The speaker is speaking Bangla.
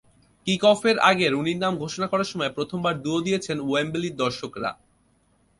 কিক-অফের আগে রুনির নাম ঘোষণার সময় প্রথমবার দুয়ো দিয়েছেন ওয়েম্বলির দর্শকেরা।